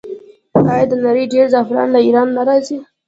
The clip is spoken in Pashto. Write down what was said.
آیا د نړۍ ډیری زعفران له ایران نه راځي؟